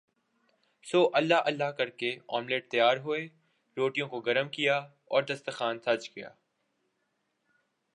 سو اللہ اللہ کر کے آملیٹ تیار ہوئے روٹیوں کو گرم کیا گیااور دستر خوان سج گیا